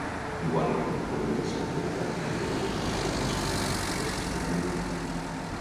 Igualment com l'edició anterior, l'esdeveniment fou disputat per sistema eliminatori.